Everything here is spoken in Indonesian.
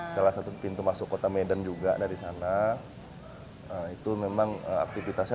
salah satu pintu masuk kota medan juga dari sana itu memang aktivitasnya